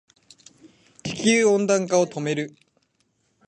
地球温暖化を止める